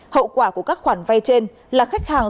hậu quả của các khoản vay trên là khách hàng